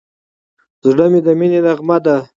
زړه د مینې نغمه ده.